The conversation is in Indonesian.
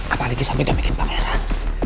apalagi sampe damein pangeran